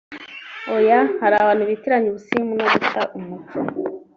oya hari abantu bitiranya ubusirimu no guta umuco